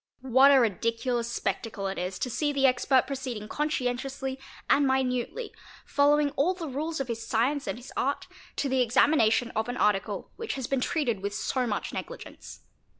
What a ridiculous spectacle it is to see the expert proceeding conscientiously and minutely, following all the rules of his science and his art, to the examination of an .article which has been treated with so much negligence.